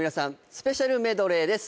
スペシャルメドレーです